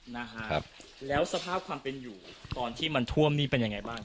นะครับแล้วสภาพความเป็นอยู่ตอนที่มันท่วมนี่เป็นยังไงบ้าง